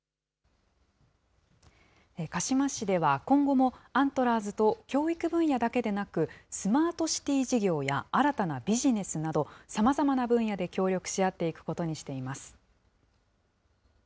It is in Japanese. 鹿嶋市では今後も、アントラーズと教育分野だけでなく、スマートシティ事業や新たなビジネスなど、さまざまな分野で協力し合っていくことにしています。